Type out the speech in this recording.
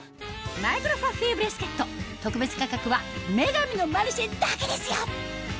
マイクロフラッフィーブレスケット特別価格は『女神のマルシェ』だけですよ